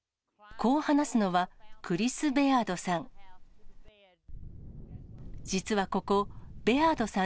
こう話すのは、クリス・ベアードさん。